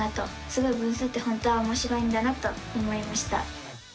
すごい分数って本当はおもしろいんだなと思いました！